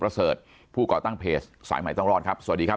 กัเพอรสเสิร์ทผู้ก่อตั้งแพสสายใหม่ต้องรอดครับสวัสดีครับ